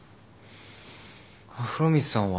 風呂光さんは？